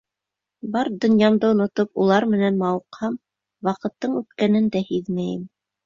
Бар донъямды онотоп, улар менән мауыҡһам, ваҡыттың үткәнен дә һиҙмәйем.